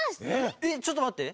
えっちょっとまって。